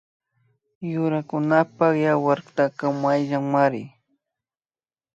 Yurakunapak yawarkaka wayllamari